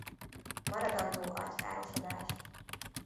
Maradandó agykárosodás.